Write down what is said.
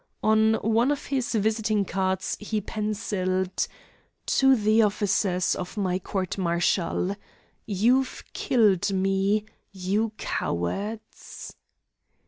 On one of his visiting cards he pencilled: "To the Officers of my Court Martial: 'You've killed me, you cowards!'"